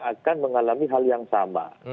akan mengalami hal yang sama